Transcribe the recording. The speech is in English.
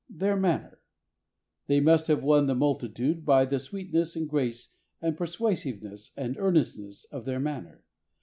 Their manner. They must have won the multitude by the sweetness and grace and persuasiveness and earnestness of their man ner.